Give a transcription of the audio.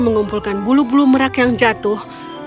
mengumpulkan bulu bulu merak yang jatuh